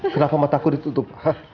kenapa mata aku ditutup